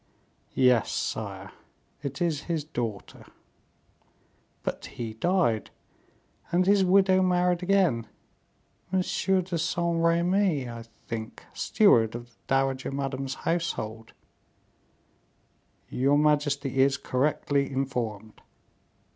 "Yes, sire, it is his daughter." "But he died, and his widow married again M. de Saint Remy, I think, steward of the dowager Madame's household." "Your majesty is correctly informed."